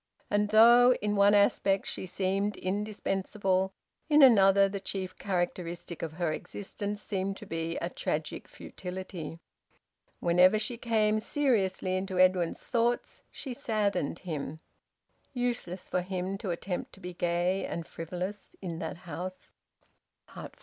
And though in one aspect she seemed indispensable, in another the chief characteristic of her existence seemed to be a tragic futility. Whenever she came seriously into Edwin's thoughts she saddened him. Useless for him to attempt to be gay and frivolous in that house!